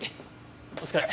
お疲れ。